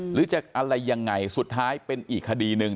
หรือจะอะไรยังไงสุดท้ายเป็นอีกคดีหนึ่ง